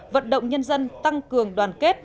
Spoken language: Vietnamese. vận động nhân dân tăng cường đoàn kết